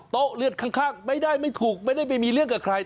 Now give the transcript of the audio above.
เลือดข้างไม่ได้ไม่ถูกไม่ได้ไปมีเรื่องกับใคร